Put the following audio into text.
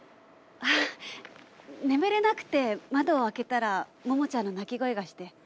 あっ眠れなくて窓を開けたらモモちゃんの泣き声がして。